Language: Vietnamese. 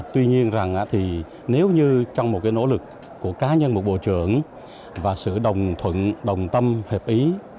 tuy nhiên nếu như trong một nỗ lực của cá nhân một bộ trưởng và sự đồng tâm hợp ý